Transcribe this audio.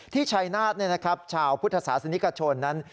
ที่ชัยนาธเนี่ยนะครับชาวพุทธศาสนิกชนนั้น